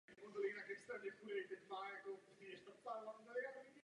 Domnívám se, že máte pravdu.